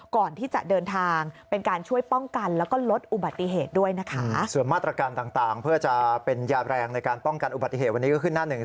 การป้องกันอุบัติเหตุวันนี้ก็ขึ้นหน้าหนึ่ง